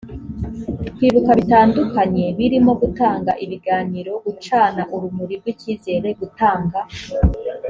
kwibuka bitandukanye birimo gutanga ibiganiro gucana urumuri rw icyizere gutanga